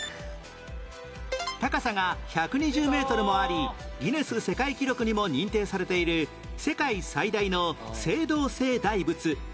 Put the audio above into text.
高さが１２０メートルもありギネス世界記録にも認定されている世界最大の青銅製大仏